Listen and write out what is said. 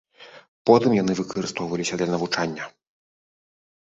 Потым яны выкарыстоўваліся для навучання.